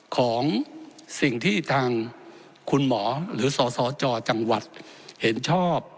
ของสิ่งที่ทางคุณหมอหรือสสจจังหวัดเห็นชอบ